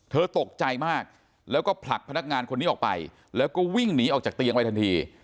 ตกใจมากแล้วก็ผลักพนักงานคนนี้ออกไปแล้วก็วิ่งหนีออกจากเตียงไปทันที